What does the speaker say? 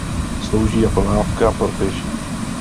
Slouží jako lávka pro pěší.